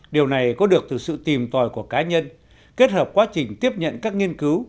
điều này có được từ sự tìm tòi của cá nhân kết hợp quá trình tiếp nhận các nghiên cứu